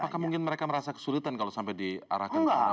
apakah mungkin mereka merasa kesulitan kalau sampai di arafuru dan natuna